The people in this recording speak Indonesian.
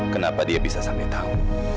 kenapa dia bisa sampai tahu